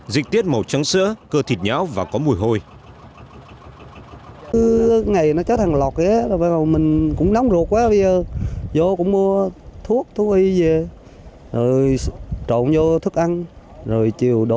dịch tiết màu trắng sữa cơ thịt nháo và có mùi hôi